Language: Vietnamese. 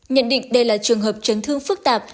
nhận định đây là trường hợp chấn thương phức tạp